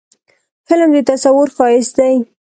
فلم د تصور ښایست دی